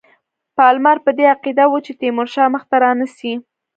پالمر په دې عقیده وو چې تیمورشاه مخته رانه سي.